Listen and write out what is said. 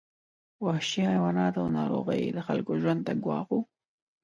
وحشي حیوانات او ناروغۍ د خلکو ژوند ته ګواښ وو.